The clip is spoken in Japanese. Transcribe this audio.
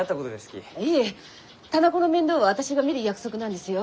いえ店子の面倒は私が見る約束なんですよ。